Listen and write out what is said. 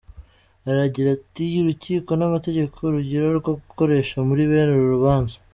Aragira ati: “Urukiko nta mategeko rugira rwo gukoresha muri bene uru rubanza.